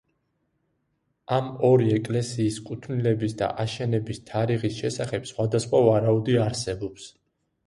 ამ ორი ეკლესიის კუთვნილების და აშენების თარიღის შესახებ სხვადასხვა ვარაუდი არსებობს.